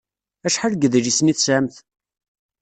Acḥal n yedlisen i tesɛamt?